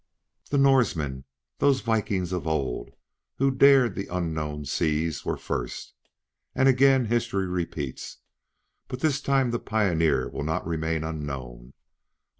"The Norsemen those Vikings of old! who dared the unknown seas, were first. And again history repeats. But this time the pioneer will not remain unknown.